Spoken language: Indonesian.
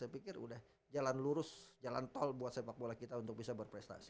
saya pikir udah jalan lurus jalan tol buat sepak bola kita untuk bisa berprestasi